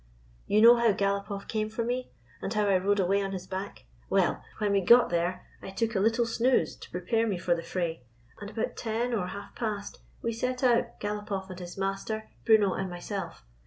You know how Galopoff came for me, and how I rode away on his back. Well, when we got there I took a little snooze to prepare me for the fray, and about ten or half past we set out — Galopoff and his master, Bruno and myself.